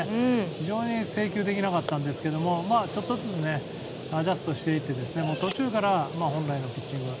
非常に制球できなかったんですけどちょっとずつアジャストしていって途中から本来のピッチングを。